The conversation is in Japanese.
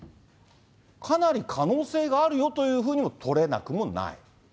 かなり可能性があるよというふうにも取れなくもない。